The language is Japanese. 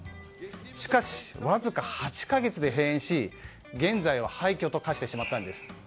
しかし、わずか８か月で閉園し現在は廃虚と化してしまったんです。